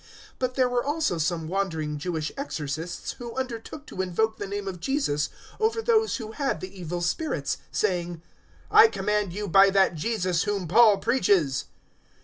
019:013 But there were also some wandering Jewish exorcists who undertook to invoke the name of Jesus over those who had the evil spirits, saying, "I command you by that Jesus whom Paul preaches."